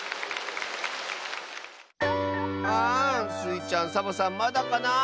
あスイちゃんサボさんまだかなあ。